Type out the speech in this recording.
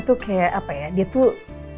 tuh kayak apa ya dia tuh